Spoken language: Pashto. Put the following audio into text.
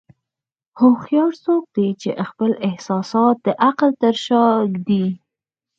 هوښیار څوک دی چې خپل احساسات د عقل تر شا ږدي.